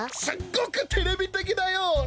すっごくテレビてきだよ。